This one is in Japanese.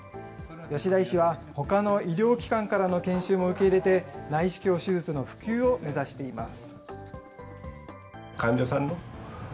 吉田医師は、ほかの医療機関からの研修も受け入れて、内視鏡手術の普及を目指しています。